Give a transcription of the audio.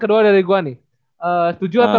kedua dari gua nih setuju atau